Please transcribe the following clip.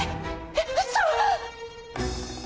えっ嘘！？